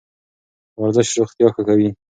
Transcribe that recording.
ورزش روغتیا ښه کوي.